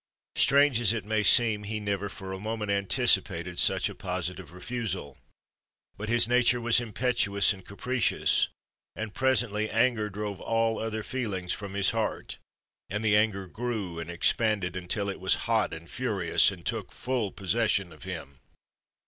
Strange as it may seem, he had never for a moment anticipated such a positive refusal. But his nature was impetuous and capricious, and presently anger drove all other feelings from his heart; and the anger grew and expanded until it was hot and furious and took full possession of him.